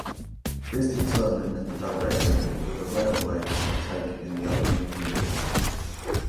This determined the direction that the railways would take in the upcoming years.